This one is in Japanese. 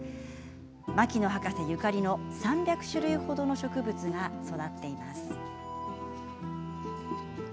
牧野博士ゆかりの３００種類程の植物が育っています。